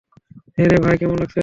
হ্যাঁ রে ভাই, কেমন লাগছে এখন?